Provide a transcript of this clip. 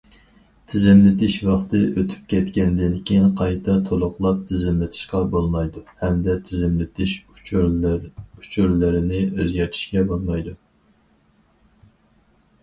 تىزىملىتىش ۋاقتى ئۆتۈپ كەتكەندىن كېيىن قايتا تولۇقلاپ تىزىملىتىشقا بولمايدۇ ھەمدە تىزىملىتىش ئۇچۇرلىرىنى ئۆزگەرتىشكە بولمايدۇ.